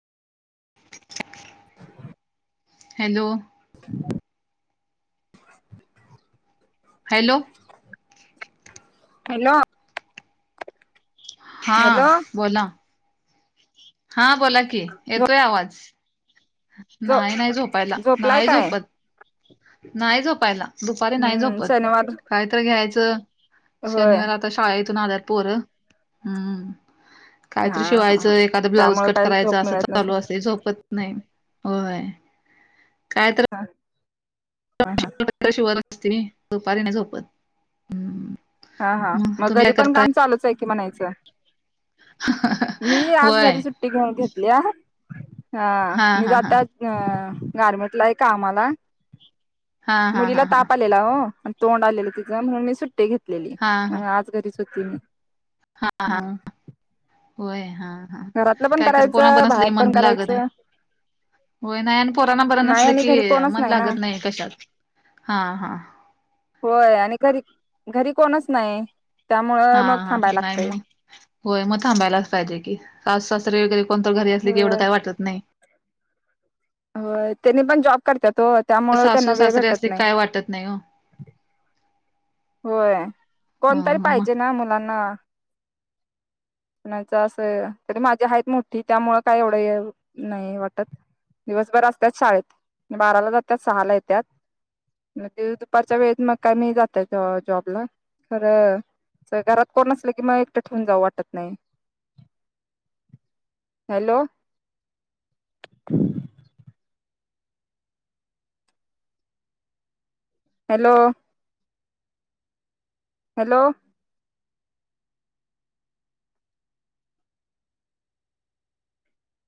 [inaudible] Hello hello hello हा hello बोला. हा बोला की झोप येतोय आवाज. झोप नाही नाही झोपायला झोपलाय नाही काय झोपत नाही झोपायला. दुपारी नाही हम्म झोपत शनिवार कायत घ्यायचं होय शनिवार आता शाळेतून आल्यात पोरं. हम्म कायतरी हा हा शिवायचं एखादं ब्लाऊज त्यामुळे कट काय करायचं झोप अस मिळत चालू नसेल असते झोपत नाही होय काय तर ह हा हा. कपडे शिवत बसते नाही दुपारी नाही झोपत हम्म. हा हा मग घरी पण काम चालूच आहे की म्हणायचं. मी आज होय घरी सुट्टी घेऊन घेतल्या हा मी हा हा जाता अ गारमेंट ला आहे कामाला हा हा मुलीला हा हा ताप आ लेला ओ तोंड आलेलं तिच मग मी सुट्टी घेतलेली हा आज घरीच होती मी. हा हा होय हा. ह घरातलं पण काय कर पूना करायचं बनसली कि बाहेर पण मन लागत नाही. करायचं होय नाही आणि पोराना बरं नाही नसलं आणि की घरी कोणच मन ना लागत नाही कशात हा हा. होय आणि घरी घरी कोणच नाही त्यामुळं हा मग हा थांबाय नाही लागतय. मग होय मग थांबायलाच पाहिजे की सास सासरी वगैरे कोणत घरी असली की एवढं होय काही वाटत नाही. होय त्यांनी पण जॉब करत्यात हो त्यामुळे त्यांना सासू वेळ सासरे भेटत असले नाही. काय वाटत नाही हो. होय कोणतरी ह पाहिजे ना मुलांना. णाच असं तरी माझ्या आहेत मोठी त्यामुळं काय एवढं नाही वाटत. दिवसभर असत्यात शाळेत बाराला जातात सहा ला येत्यात. म ते दुपारच्या वेळेत मग काय मी जातात. जॉब ला खरं घरात कोण असलं की मग एकटं ठेऊून जाऊ वाटत नाही. Hello hello hello